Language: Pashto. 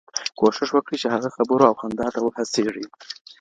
کوښښ وکړئ، چي هغه خبرو او خندا ته وهڅيږي.